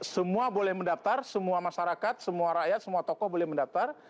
semua boleh mendaftar semua masyarakat semua rakyat semua tokoh boleh mendaftar